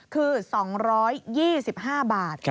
คือ๒๒๕บาท